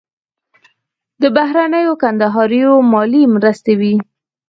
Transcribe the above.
د بهرنیو کندهاریو مالي مرستې وې.